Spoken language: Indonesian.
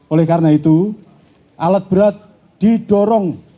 oleh karena itu alat berat didorong